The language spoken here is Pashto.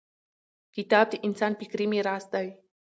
• کتاب د انسان فکري میراث دی.